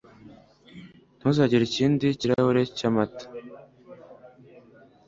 Ntuzagira ikindi kirahure cyamata?